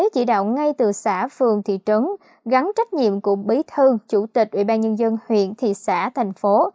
chỉ đạo ngay từ xã phường thị trấn gắn trách nhiệm của bí thư chủ tịch ubnd huyện thị xã thành phố